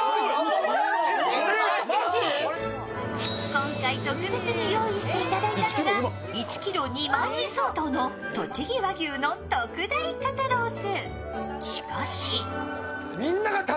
今回特別に用意していただいたのが１ｋｇ２万円相当のとちぎ和牛の特大肩ロース